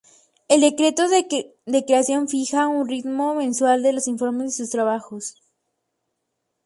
El decreto de creación fija un ritmo mensual de los informes de sus trabajos.